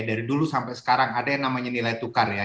dari dulu sampai sekarang ada yang namanya nilai tukar ya